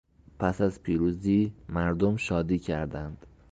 پس از پیروزی مردم شادی کردند.